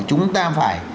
chúng ta phải